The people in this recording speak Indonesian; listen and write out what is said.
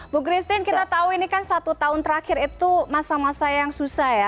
bu christine kita tahu ini kan satu tahun terakhir itu masa masa yang susah ya